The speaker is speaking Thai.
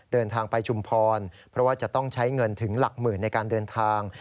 เดินทางไปชุมพรเพราะว่าจะต้องใช้เงินถึงหลักหมื่นในการเดินทาง